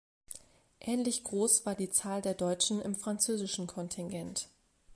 Ähnlich groß war die Zahl der Deutschen im französischen Kontingent.